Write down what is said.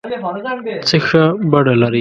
څه ښه بڼه لرې